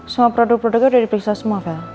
semua produk produknya udah dipiksa semua vel